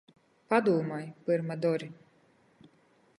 Padūmoj, pyrma dori!